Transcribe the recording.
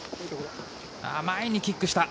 前にキックした。